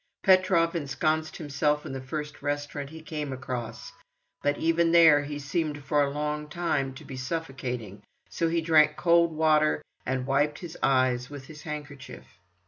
Petrov ensconced himself in the first restaurant he came across, but even there he seemed for a long time to be suffocating; so he drank cold water, and wiped his eyes with his handkerchief.